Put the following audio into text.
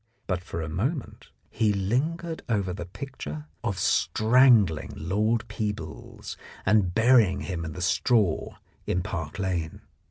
But for a moment he lingered over the picture of strangling Lord Peebles and burying him in the straw in Park Lane.